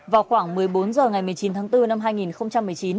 vào khoảng một mươi bốn h ngày một mươi chín tháng bốn năm hai nghìn một mươi chín